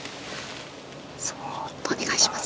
そっとお願いします